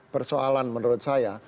persoalan menurut saya